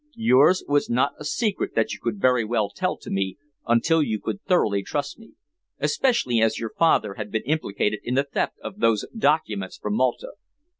"Yours was not a secret that you could very well tell to me until you could thoroughly trust me, especially as your father had been implicated in the theft of those documents from Malta.